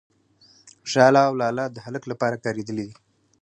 ، ژاله او لاله د هلک لپاره کارېدلي دي.